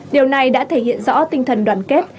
điều này đã thể hiện rõ tinh thần đoàn kết